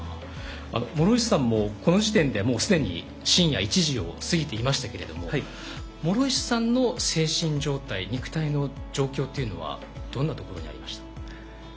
諸石さんもこの時点で、もうすでに深夜１時を過ぎていましたけれども諸石さんの精神状態肉体の状況というのはどんなところにありました？